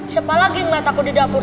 siapa lagi yang ngeliat aku di dapur